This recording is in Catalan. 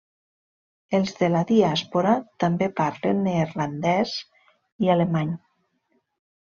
Els de la diàspora també parlen neerlandès i alemany.